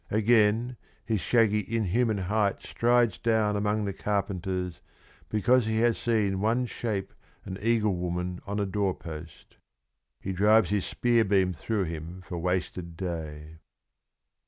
. Again, his shaggy inhuman height strides down Among the carpenters because he has seen One shape an eagle woman on a door post : He drives his spear beam through him for wasted day.